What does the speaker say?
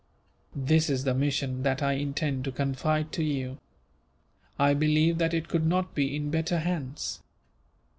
"This is the mission that I intend to confide to you. I believe that it could not be in better hands.